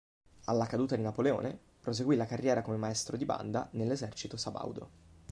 Alla caduta di Napoleone, proseguì la carriera come maestro di banda nell'esercito sabaudo.